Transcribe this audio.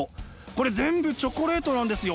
これ全部チョコレートなんですよ。